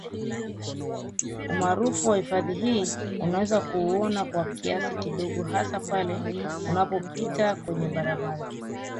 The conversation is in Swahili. Umaarufu wa hifadhi hii unaweza kuuona kwa kiasi kidogo hasa pale unapopita kwenye barabara